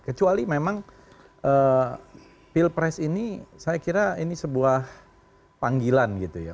kecuali memang pilpres ini saya kira ini sebuah panggilan gitu ya